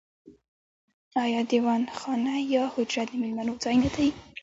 آیا دیوان خانه یا حجره د میلمنو ځای نه دی؟